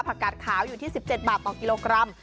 กาดขาวอยู่ที่๑๗บาทต่อกิโลกรัม